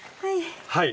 はい。